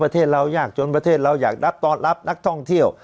ประเทศเรายากจนประเทศเราอยากรับต้อนรับนักท่องเที่ยว